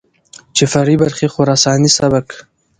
چې فرعي برخې خراساني سبک،